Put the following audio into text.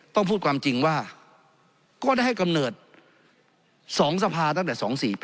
ต้องพูดความจริงว่าก็ได้ให้กำเนิด๒สภาตั้งแต่๒๔๘